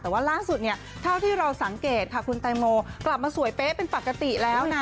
แต่ว่าล่าสุดเนี่ยเท่าที่เราสังเกตค่ะคุณแตงโมกลับมาสวยเป๊ะเป็นปกติแล้วนะ